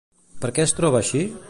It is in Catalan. Per què es troba així?